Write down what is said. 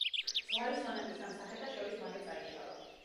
ზღვარი სონატის ამ სახეთა შორის მალე წაიშალა.